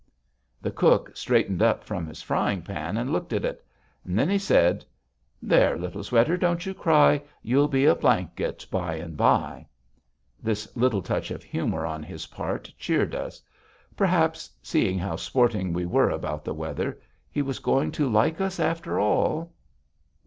The cook straightened up from his frying pan and looked at it. Then he said: "There, little sweater, don't you cry; You'll be a blanket by and by." This little touch of humor on his part cheered us. Perhaps, seeing how sporting we were about the weather, he was going to like us after all.